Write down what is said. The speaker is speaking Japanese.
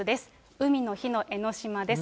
海の日の江の島です。